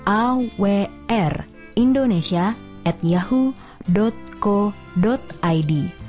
awrindonesia yahoo co id